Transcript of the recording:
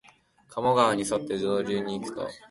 加茂川にそって上流にいくと、